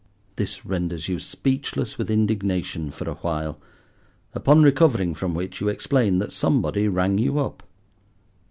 This renders you speechless with indignation for a while, upon recovering from which you explain that somebody rang you up.